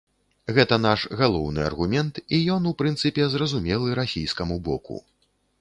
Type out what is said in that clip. Гэта наш галоўны аргумент, і ён у прынцыпе зразумелы расійскаму боку.